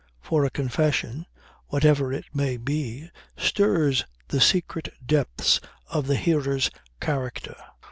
For a confession, whatever it may be, stirs the secret depths of the hearer's character.